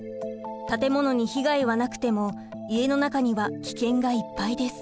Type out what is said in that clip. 建物に被害はなくても家の中には危険がいっぱいです。